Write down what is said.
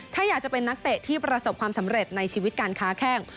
ถ้าอยากจะเป็นนักเตะที่ประสบความสำเร็จในชีวิตการค้าแข้ง